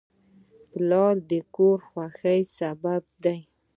پلار د کور د خوښۍ سبب دی.